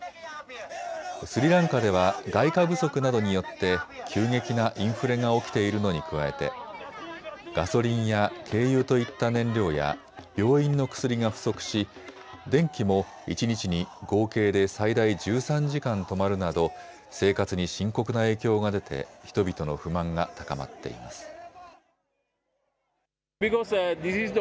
スリランカでは外貨不足などによって急激なインフレが起きているのに加えてガソリンや軽油といった燃料や病院の薬が不足し電気も一日に合計で最大１３時間止まるなど生活に深刻な影響が出て人々の不満が高まっています。